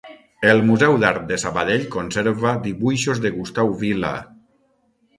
El Museu d'Art de Sabadell conserva dibuixos de Gustau Vila.